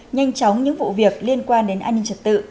nhanh chóng những vụ việc liên quan đến an ninh trật tự